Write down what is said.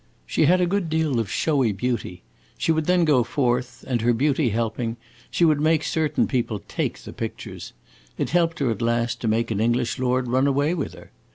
She had a good deal of showy beauty. She would then go forth, and, her beauty helping, she would make certain people take the pictures. It helped her at last to make an English lord run away with her.